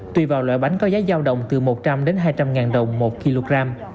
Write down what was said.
tùy vào loại bánh có giá giao động từ một trăm linh đến hai trăm linh ngàn đồng một kg